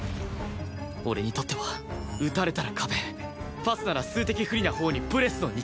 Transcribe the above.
俺にとっては撃たれたら壁パスなら数的不利なほうにプレスの２択